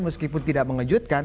meskipun tidak mengejutkan